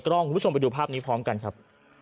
คุณผู้ชมไปดูภาพนี้พร้อมกันครับ